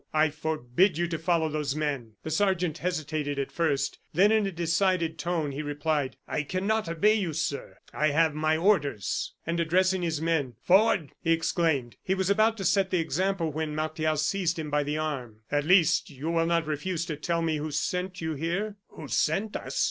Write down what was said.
I forbid you to follow those men." The sergeant hesitated at first; then, in a decided tone, he replied: "I cannot obey you, sir. I have my orders." And addressing his men: "Forward!" he exclaimed. He was about to set the example, when Martial seized him by the arm. "At least you will not refuse to tell me who sent you here?" "Who sent us?